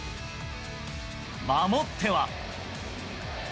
守っては。